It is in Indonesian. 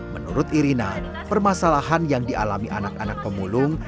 menurut irina permasalahan yang dialami anak anak pemulung